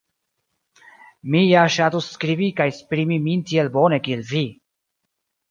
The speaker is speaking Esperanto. Mi ja ŝatus skribi kaj esprimi min tiel bone kiel vi.